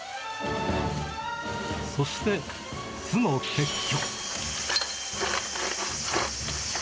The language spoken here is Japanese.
そして、巣の撤去。